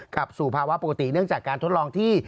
กลับสู่ภาวะปกติเนื่องจากการทดลองที่